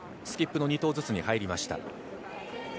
スキップの２投ずつに入りました。